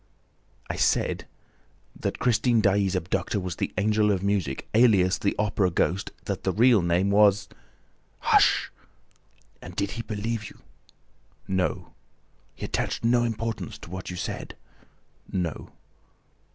"I said that Christine Daae's abductor was the Angel of Music, ALIAS the Opera ghost, and that the real name was ..." "Hush! ... And did he believe you?" "No." "He attached no importance to what you said?" "No."